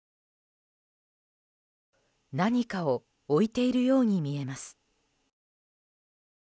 何かを置いているように見えます。